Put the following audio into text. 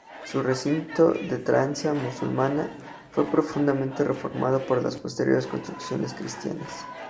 Su recinto de traza musulmana fue profundamente reformado por las posteriores construcciones cristianas.